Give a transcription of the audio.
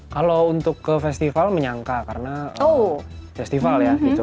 kalau untuk ke festival menyangka karena festival ya gitu